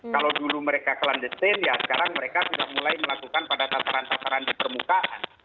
kalau dulu mereka kelan desin ya sekarang mereka sudah mulai melakukan pada tataran tasaran di permukaan